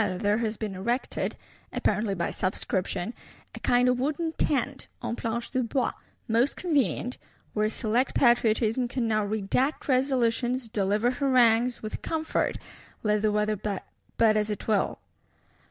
In the Palais Royal there has been erected, apparently by subscription, a kind of Wooden Tent (en planches de bois);—most convenient; where select Patriotism can now redact resolutions, deliver harangues, with comfort, let the weather but as it will.